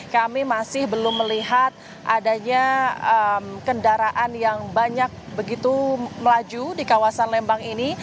kami masih belum melihat adanya kendaraan yang banyak begitu melaju di kawasan lembang ini